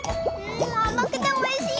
あまくておいしい！